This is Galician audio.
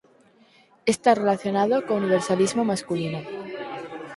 Está relacionado co universalismo masculino.